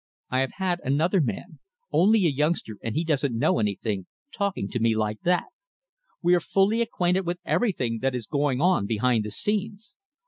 I have had another man only a youngster, and he doesn't know anything talking to me like that. We are fully acquainted with everything that is going on behind the scenes.